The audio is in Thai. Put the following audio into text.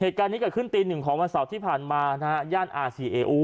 เหตุการณ์นี้เกิดขึ้นตีหนึ่งของวันเสาร์ที่ผ่านมานะฮะย่านอาซีเออู